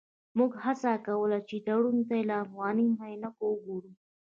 موږ هڅه کوله چې تړون ته له افغاني عینکو وګورو.